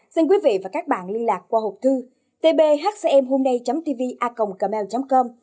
xin quý vị và các bạn liên lạc qua hồ chí minh